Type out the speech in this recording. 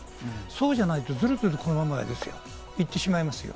そうじゃないとずるずるこのまま行ってしまいますよ。